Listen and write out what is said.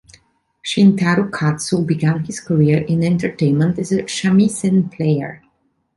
Shintaro Katsu began his career in entertainment as a shamisen player.